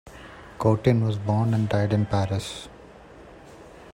Cotin was born and died in Paris.